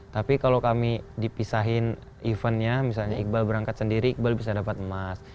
tapi kalau kami dipisahin eventnya misalnya iqbal berangkat sendiri iqbal bisa dapat emas